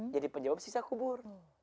jadi penyebab siksa kubur